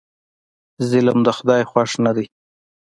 ظلم د خدای خوښ نه دی.